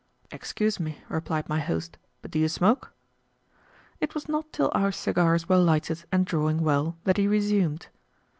"Excuse me," replied my host, "but do you smoke?" It was not till our cigars were lighted and drawing well that he resumed.